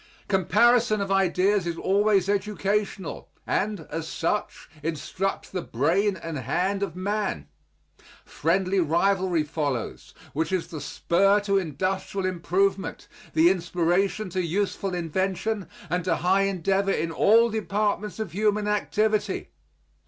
Comparison of ideas is always educational and, as such, instructs the brain and hand of man. Friendly rivalry follows, which is the spur to industrial improvement, the inspiration to useful invention and to high endeavor in all departments of human activity.